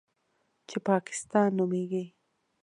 چې پاکستان نومېږي.